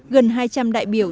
gần hai trăm linh đại biểu